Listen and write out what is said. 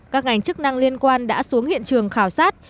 các ngành chức năng liên quan đã xuống hiện trường khảo sát